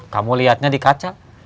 kamu liatnya di kaca